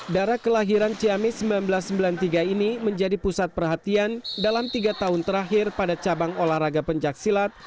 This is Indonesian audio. darah kelahiran ciamis seribu sembilan ratus sembilan puluh tiga ini menjadi pusat perhatian dalam tiga tahun terakhir pada cabang olahraga pencaksilat